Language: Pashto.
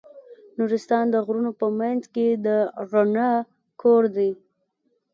نورستان د غرونو په منځ کې د رڼا کور دی.